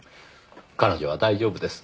彼女は大丈夫です。